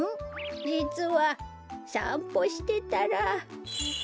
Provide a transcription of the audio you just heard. じつはさんぽしてたら。